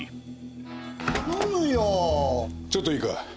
ちょっといいか？